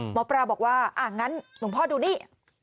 หมอปลาบอกว่าอ่างั้นหลวงพ่อดูนี่